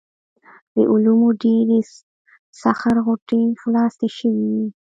د علومو ډېرې سخر غوټې خلاصې شوې وې.